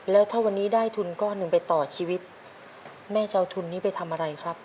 แล้วถ้าวันนี้ได้ทุนก้อนหนึ่งไปต่อชีวิตแม่จะเอาทุนนี้ไปทำอะไรครับ